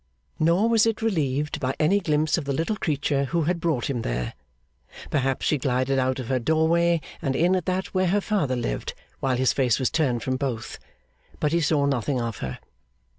Nor was it relieved by any glimpse of the little creature who had brought him there. Perhaps she glided out of her doorway and in at that where her father lived, while his face was turned from both; but he saw nothing of her.